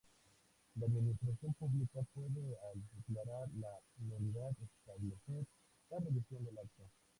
La Administración Pública puede al declarar la nulidad, establecer la revisión del acto.